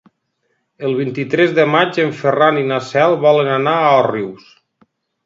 El vint-i-tres de maig en Ferran i na Cel volen anar a Òrrius.